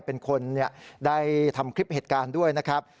เป็นคนได้ทำคลิปเหตุการณ์ด้วยนะครับ